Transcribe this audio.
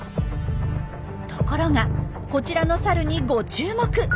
ところがこちらのサルにご注目。